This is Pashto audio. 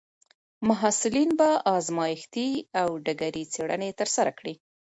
محصلین به ازمایښتي او ډګري څېړنې ترسره کړي.